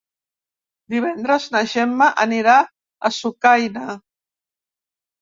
Divendres na Gemma anirà a Sucaina.